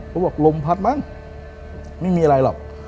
เขาบอกลมพัดมั้งไม่มีอะไรหรอก